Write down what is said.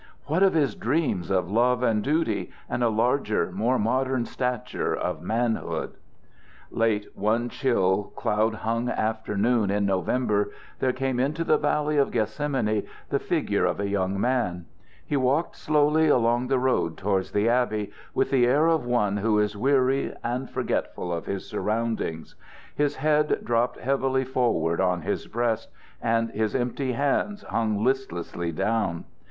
What of his dreams of love and duty, and a larger, more modern stature of manhood? Late one chill, cloud hung afternoon in November there came into the valley of Gethsemane the figure of a young man. He walked slowly along the road towards the abbey, with the air of one who is weary and forgetful of his surroundings. His head dropped heavily forward on his breast, and his empty hands hung listlessly down.